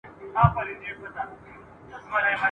په سترګو د مئین کي